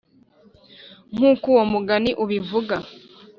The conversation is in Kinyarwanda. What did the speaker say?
Nk uko uwo mugani ubivuga